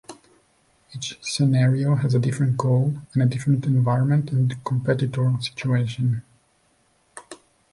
Each scenario has a different goal and different environment and competitor situation.